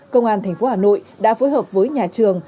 công an tp hà nội đã phối hợp với nhà trường